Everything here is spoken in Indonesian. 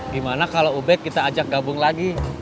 gimana kalau ubek kita ajak gabung lagi